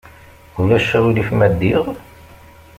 Ulac aɣilif ma ddiɣ?